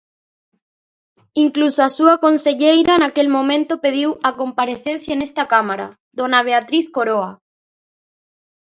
Incluso a súa conselleira naquel momento pediu a comparecencia nesta Cámara, dona Beatriz Coroa.